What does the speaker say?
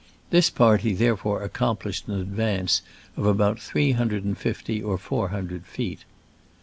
This party therefore accomplished an advance of about three hundred and fifty or four hundred feet.